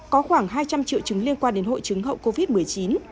có khoảng hai trăm linh triệu chứng liên quan đến hội chứng hậu covid một mươi chín